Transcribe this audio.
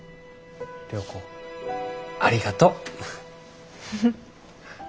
良子ありがとう。フフッ。